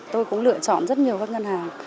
tôi cũng lựa chọn rất nhiều các ngân hàng